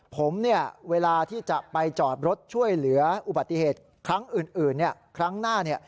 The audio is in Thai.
ผมเนี่ยเวลาที่จะไปจอดรถช่วยเหลืออุบัติเหตุครั้งอื่นครั้งหน้าเนี่ย